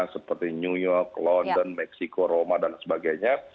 seperti new york london meksiko roma dan sebagainya